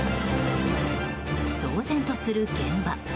騒然とする現場。